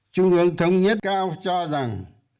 trung ương thống nhất cao cho rằng